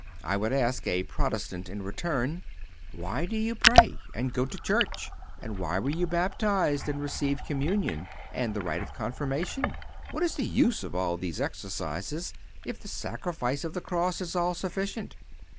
I would ask a Protestant in return, Why do you pray, and go to church, and why were you baptized, and receive Communion, and the rite of Confirmation? What is the use of all these exercises, if the sacrifice of the cross is all sufficient?